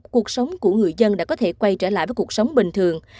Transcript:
cuộc sống của người dân đã có thể quay trở lại với cuộc sống bình thường